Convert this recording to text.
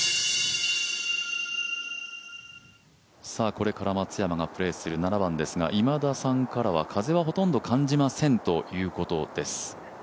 これから松山がプレーする７番ですが、今田さんからは風はほとんど感じませんということです。